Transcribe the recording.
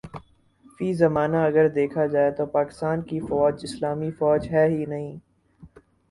فی زمانہ اگر دیکھا جائے تو پاکستان کی فوج اسلامی فوج ہے ہی نہیں